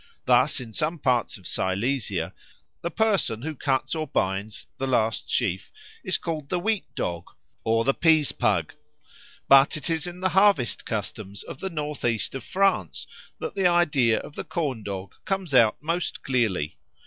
Thus in some parts of Silesia the person who cuts or binds the last sheaf is called the Wheat dog or the Peas pug. But it is in the harvest customs of the north east of France that the idea of the Corn dog comes out most clearly.